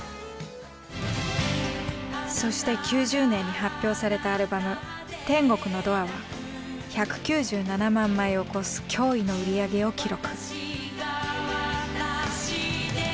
そして９０年に発表されたアルバム「天国のドア」は１９７万枚を越す驚異の売り上げを記録。